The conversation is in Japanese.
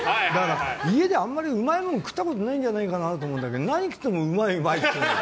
家であんまりうまいもの食ったことないんじゃないかなって思うんだけど何食っても、うまいうまいって。